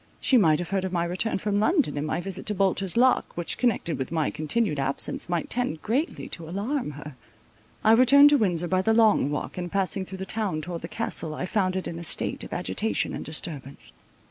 She might have heard of my return from London, and my visit to Bolter's Lock, which, connected with my continued absence, might tend greatly to alarm her. I returned to Windsor by the Long Walk, and passing through the town towards the Castle, I found it in a state of agitation and disturbance.